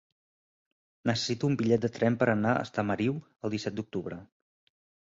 Necessito un bitllet de tren per anar a Estamariu el disset d'octubre.